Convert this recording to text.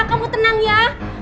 kamu tenang ya